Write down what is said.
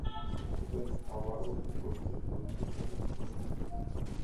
এদের খাবার ও বিপদ যে-কোনো দিক থেকে আসতে পারে।